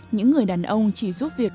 những người đàn ông chỉ giúp việc